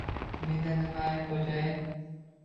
Menda nima ayb, xo`jayin